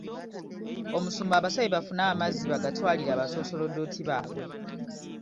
Omusumba abasabye bafune amazzi bagatwalire abasoosolodooti baabwe.